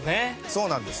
そうなんです。